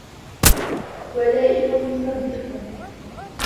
وَلَائِمٍ مُصَدَّقٍ